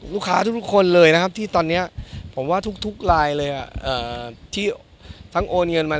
มีการร้านที่ก่อนอ่านที่เขารับไม่ให้หรอก